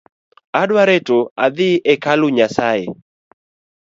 Adwa reto adhii e kalu Nyasae